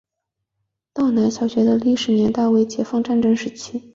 道南小学的历史年代为解放战争时期。